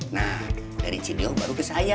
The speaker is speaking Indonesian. nah dari sini baru ke saya